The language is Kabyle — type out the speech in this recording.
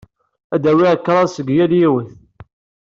Ad awyeɣ kraḍ seg yal yiwen.